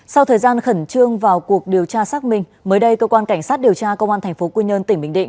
sau thời gian khẩn trương vào cuộc điều tra xác minh mới đây cơ quan cảnh sát điều tra công an tp quy nhơn tỉnh bình định